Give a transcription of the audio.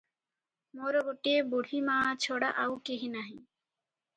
“ମୋର ଗୋଟିଏ ବୁଢ଼ୀମାଆ ଛଡ଼ା ଆଉ କେହି ନାହିଁ ।”